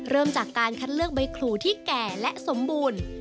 เริ่มจากการคัดเลือกใบครูที่แก่และสมบูรณ์